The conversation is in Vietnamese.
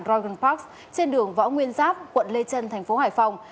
drogen park trên đường võ nguyên giáp quận lê trân thành phố hải phòng